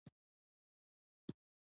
په سالون کې ولاړ ټول مقامات شناخته ول.